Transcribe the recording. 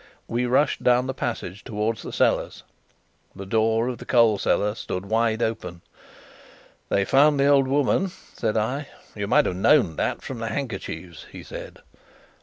We rushed down the passage towards the cellars. The door of the coal cellar stood wide open. "They found the old woman," said I. "You might have known that from the handkerchiefs," he said.